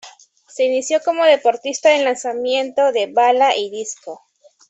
Se inició como deportista en lanzamiento de bala y disco.